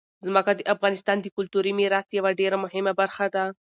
ځمکه د افغانستان د کلتوري میراث یوه ډېره مهمه برخه ده.